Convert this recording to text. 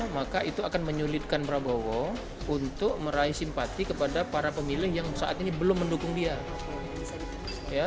maka itu akan menyulitkan prabowo untuk meraih simpati kepada para pemilih yang saat ini belum mendukung dia